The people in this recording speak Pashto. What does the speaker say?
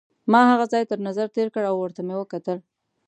ما هغه ځای تر نظر تېر کړ او ورته مې وکتل.